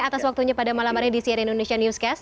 atas waktunya pada malam hari di siarian indonesia newscast